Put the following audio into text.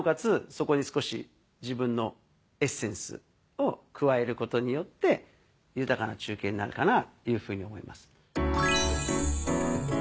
そこに少し自分のエッセンスを加えることによって豊かな中継になるかなっていうふうに思います。